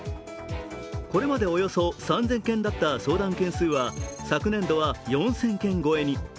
これまでおよそ３０００件だった相談件数は昨年度は４０００件超えに。